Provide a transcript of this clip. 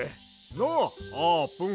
なっあーぷん。